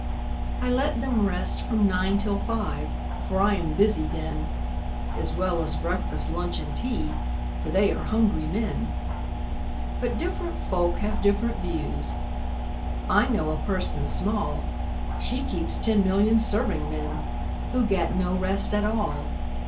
I let them rest from nine till five. For I am busy then, As well as breakfast, lunch, and tea, For they are hungry men: But different folk have different views: I know a person small She keeps ten million serving men, Who get no rest at all!